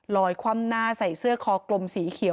คว่ำหน้าใส่เสื้อคอกลมสีเขียว